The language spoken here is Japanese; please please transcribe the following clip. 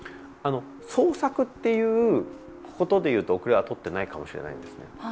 創作ということでいうと後れはとってないかもしれないんですね。